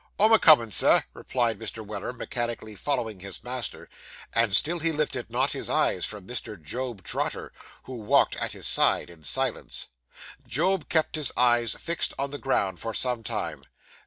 'I'm a comin', sir,' replied Mr. Weller, mechanically following his master; and still he lifted not his eyes from Mr. Job Trotter, who walked at his side in silence. Job kept his eyes fixed on the ground for some time.